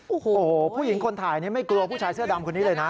โอ้โหผู้หญิงคนถ่ายนี้ไม่กลัวผู้ชายเสื้อดำคนนี้เลยนะ